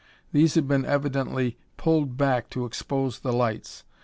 These had been evidently pulled back to expose the lights.